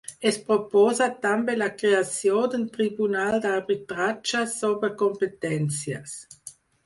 Es proposa també la creació d’un tribunal d’arbitratge sobre competències.